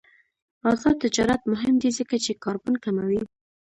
آزاد تجارت مهم دی ځکه چې کاربن کموي.